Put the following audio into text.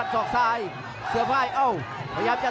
ต้องการสวัสดีค่ะ